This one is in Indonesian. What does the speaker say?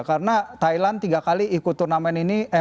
karena thailand tiga kali ikut turnamen ini